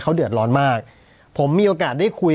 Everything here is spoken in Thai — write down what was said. เขาเดือดร้อนมากผมมีโอกาสได้คุย